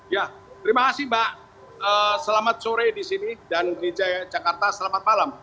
ya terima kasih mbak selamat sore di sini dan di jakarta selamat malam